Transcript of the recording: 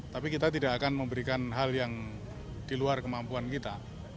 tapi kita tidak akan memberikan hal yang di luar kemampuan kita